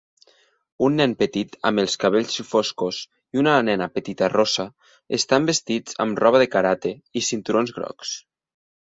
Un nen petit amb els cabells foscos i una nena petita rossa estan vestits amb roba de karate i cinturons grocs.